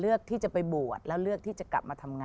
เลือกที่จะไปบวชแล้วเลือกที่จะกลับมาทำงาน